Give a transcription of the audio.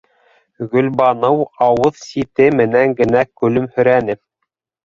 Гөлбаныу ауыҙ сите менән генә көлөмһөрәне: